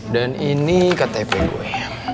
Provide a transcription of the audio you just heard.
dan ini ktp gue